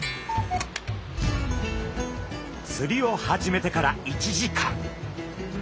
釣りを始めてから１時間。